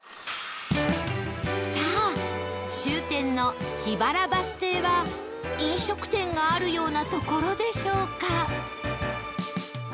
さあ終点の桧原バス停は飲食店があるような所でしょうか？